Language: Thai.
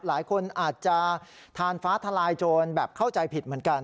หลายคนอาจจะทานฟ้าทลายโจรแบบเข้าใจผิดเหมือนกัน